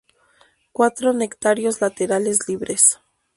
Cuatro nectarios laterales libres.